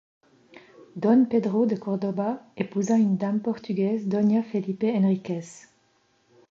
Don Pedro de Córdoba épousa une dame portugaise, doña Felipa Enríquez.